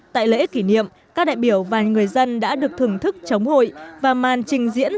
tại lễ kỷ niệm các đại biểu và người dân đã được thưởng thức chống hội và màn trình diễn